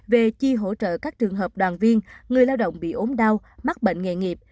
về chi hỗ trợ các trường hợp đoàn viên người lao động bị ốm đau mắc bệnh nghề nghiệp